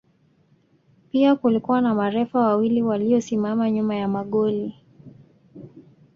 Pia kulikuwa na marefa wawili waliosimama nyuma ya magoli